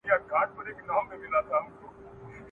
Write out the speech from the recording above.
زه پرون لوبه کوم!.